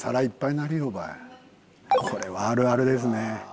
これはあるあるですね。